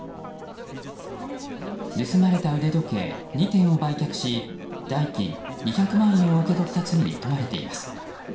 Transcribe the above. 盗まれた腕時計２点を売却し代金２００万円を受け取った罪に問われています。